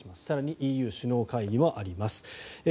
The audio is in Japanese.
更に、ＥＵ首脳会議もあります。